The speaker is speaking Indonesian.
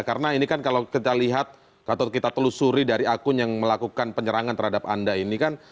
karena ini kan kalau kita lihat atau kita telusuri dari akun yang melakukan penyerangan terhadap anda ini kan